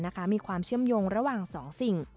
และการบริการผู้โดยสาร๑๒๗๕ราย